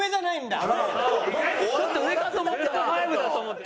もっと上かと思ってた。